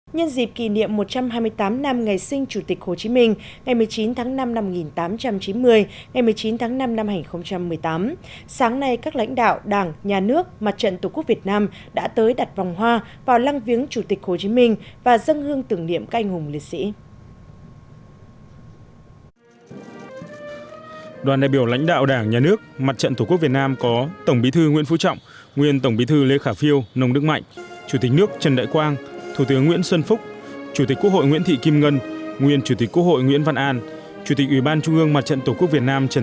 nhân dịp kỷ niệm một trăm hai mươi tám năm ngày sinh chủ tịch hồ chí minh ngày một mươi chín tháng năm năm một nghìn tám trăm chín mươi ngày một mươi chín tháng năm năm hai nghìn một mươi tám sáng nay các lãnh đạo đảng nhà nước mặt trận tổ quốc việt nam đã tới đặt vòng hoa vào lăng viếng chủ tịch hồ chí minh và dâng hương tưởng niệm các anh hùng liệt sĩ